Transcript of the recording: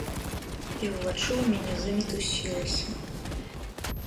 І ўваччу ў мяне замітусілася.